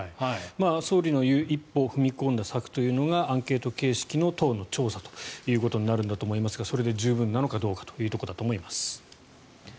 総理の言う一歩踏み込んだ対策というのがアンケート形式の党の調査ということになるんだと思いますがそれで十分なのかどうかというところだと思います。